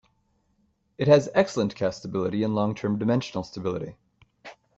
It has excellent castability and long term dimensional stability.